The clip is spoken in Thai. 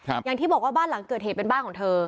อย่างที่บอกว่าบ้านหลังเกิดเหตุเป็นบ้านของเธอ